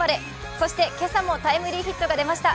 そして今朝もタイムリーヒットが出ました。